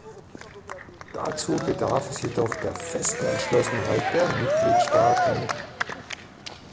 Dazu bedarf es jedoch der festen Entschlossenheit der Mitgliedstaaten.